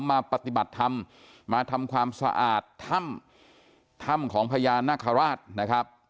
มาปฏิบัติธรรมมาทำความสะอาดถ้ำถ้ำของพญานาคาราชนะครับ